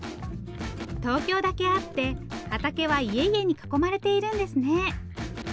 東京だけあって畑は家々に囲まれているんですね。